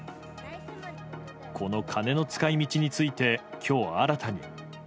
この金の使いみちについてきょう、新たに。